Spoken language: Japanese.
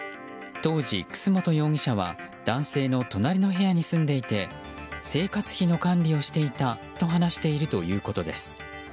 当時、楠本容疑者は男性の隣の部屋に住んでいて生活費の管理をしていたと話しているということです。